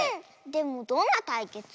でもどんなたいけつ？